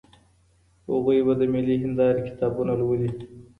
هغوی به د ملي هندارې کتابونه لولي.